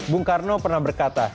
bung karno pernah berkata